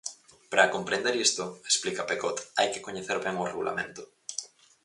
Para comprender isto, explica Pecot, hai que coñecer ben o regulamento.